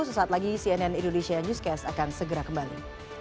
sesaat lagi cnn indonesia newscast akan segera kembali